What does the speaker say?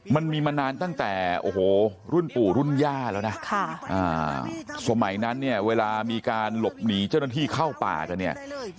มันมีมานานตั้งแต่โอ้โหรุ่นปู่รุ่นย่าแล้วนะสมัยนั้นเนี่ยเวลามีการหลบหนีเจ้าหน้าที่เข้าป่ากันเนี่ย